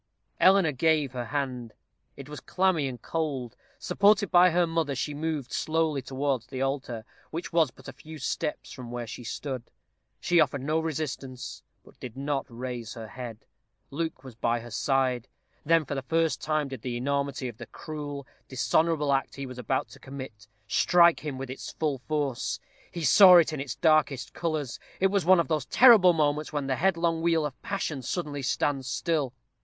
Eleanor gave her hand. It was clammy and cold. Supported by her mother, she moved slowly towards the altar, which was but a few steps from where they stood. She offered no resistance, but did not raise her head. Luke was by her side. Then for the first time did the enormity of the cruel, dishonorable act he was about to commit, strike him with its full force. He saw it in its darkest colors. It was one of those terrible moments when the headlong wheel of passion stands suddenly still.